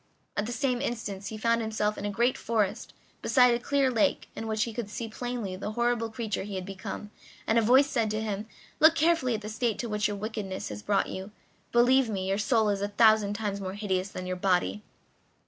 At the same instant he found himself in a great forest, beside a clear lake, in which he could see plainly the horrible creature he had become, and a voice said to him: "Look carefully at the state to which your wickedness has brought you; believe me, your soul is a thousand times more hideous than your body."